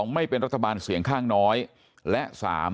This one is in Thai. ไม่เป็นรัฐบาลเสียงข้างน้อยและ๓